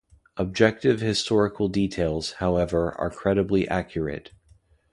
Objective historical details, however, are credibly accurate.